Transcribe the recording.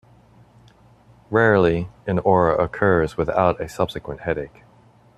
Rarely, an aura occurs without a subsequent headache.